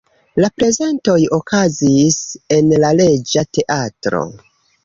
La prezentoj okazis en la Reĝa teatro.